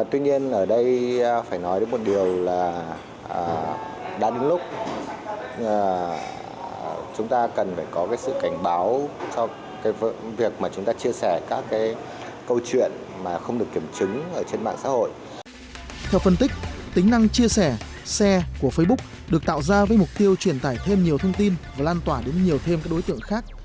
theo phân tích tính năng chia sẻ share của facebook được tạo ra với mục tiêu truyền tải thêm nhiều thông tin và lan tỏa đến nhiều thêm các đối tượng khác